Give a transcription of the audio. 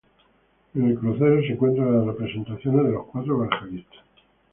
En el crucero se encuentran las representaciones de los cuatro evangelistas.